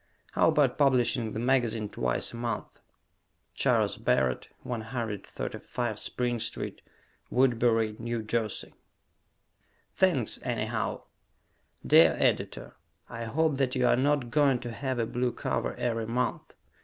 How about publishing the magazine twice a month? Charles Barrett, 135 Spring St., Woodbury, N. J. Thanks, Anyhow! Dear Editor: I hope that you are not going to have a blue cover every month.